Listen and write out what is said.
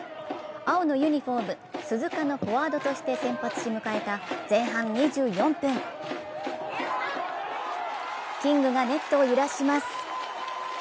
青のユニフォーム・鈴鹿のフォワードとして迎えた前半２４分、キングがネットを揺らします。